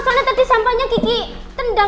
soalnya tadi sampahnya gigi tendang